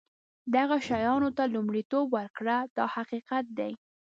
دغه شیانو ته لومړیتوب ورکړه دا حقیقت دی.